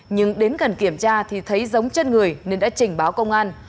nhưng đến gần kiểm tra thì thấy giống chân người nên đã trình báo công an